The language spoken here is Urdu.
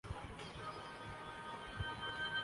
مزید پاکستانی کم